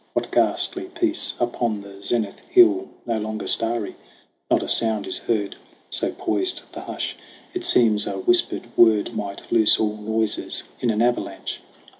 What ghastly peace upon the zenith hill, No longer starry ? Not a sound is heard. So poised the hush, it seems a whispered word Might loose all noises in an avalanche.